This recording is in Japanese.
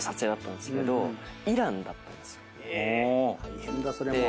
大変だそれも。